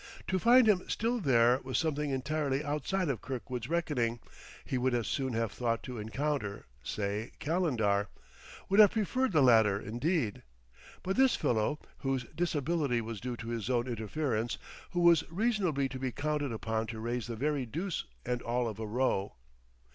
To find him still there was something entirely outside of Kirkwood's reckoning: he would as soon have thought to encounter say, Calendar, would have preferred the latter, indeed. But this fellow whose disability was due to his own interference, who was reasonably to be counted upon to raise the very deuce and all of a row!